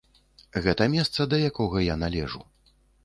Гэта месца, да якога я належу.